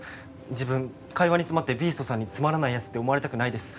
自分会話に詰まってビーストさんにつまらないやつって思われたくないです。